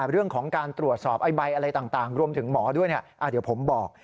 เรื่องของการตรวจสอบใบอะไรต่างรวมถึงหมอด้วยเดี๋ยวผมบอก